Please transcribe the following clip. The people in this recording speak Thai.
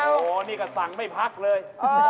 โอ้โหนี่ก็สั่งไม่พักเลย